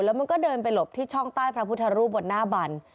แล้วมันก็เดินไปหลบที่ช่องใต้พระพุทธรูปบนหน้าบัน